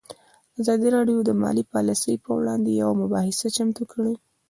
ازادي راډیو د مالي پالیسي پر وړاندې یوه مباحثه چمتو کړې.